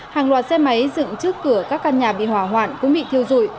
hàng loạt xe máy dựng trước cửa các căn nhà bị hỏa hoạn cũng bị thiêu dụi